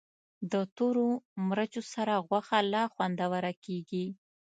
د تورو مرچو سره غوښه لا خوندوره کېږي.